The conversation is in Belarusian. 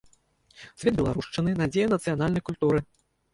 Цвет беларушчыны, надзея нацыянальнай культуры!